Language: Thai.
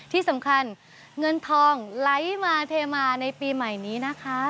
ที่สำคัญเงินทองไหลมาเทมาในปีใหม่นี้นะคะ